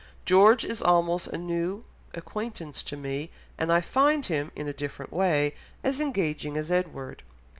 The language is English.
George is almost a new acquaintance to me, and I find him, in a different way, as engaging as Edward.